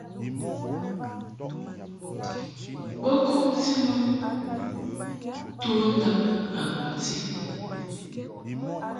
Bo kumti mɨ tundab a bumti.